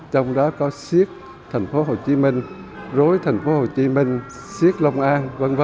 trong đó có siếc thành phố hồ chí minh rối thành phố hồ chí minh siếc lông an v v